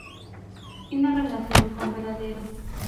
Tiene relación con "varadero".